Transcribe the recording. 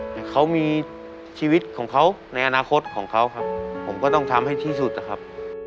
แต่เขามีชีวิตของเขาในอนาคตของเขาครับผมก็ต้องทำให้ที่สุดนะครับ